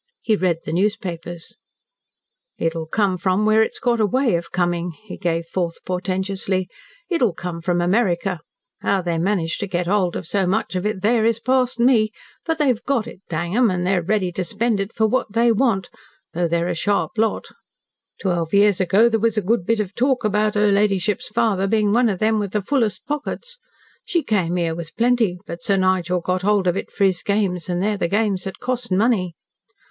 He read the newspapers. "It'll come from where it's got a way of coming," he gave forth portentously. "It'll come from America. How they manage to get hold of so much of it there is past me. But they've got it, dang 'em, and they're ready to spend it for what they want, though they're a sharp lot. Twelve years ago there was a good bit of talk about her ladyship's father being one of them with the fullest pockets. She came here with plenty, but Sir Nigel got hold of it for his games, and they're the games that cost money.